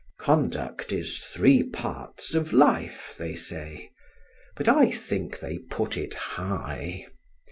Conduct is three parts of life, they say; but I think they put it high.